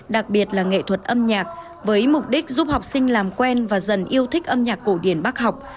đặc biệt là nghệ thuật âm nhạc với mục đích giúp học sinh làm quen và dần yêu thích âm nhạc cổ điển bác học